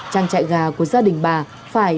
trang trại gà của gia đình bà phải